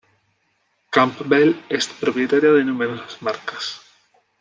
Campbell es propietaria de numerosas marcas.